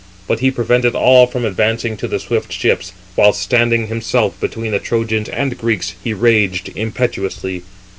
But he prevented all from advancing to the swift ships, whilst standing himself between the Trojans and Greeks he raged impetuously.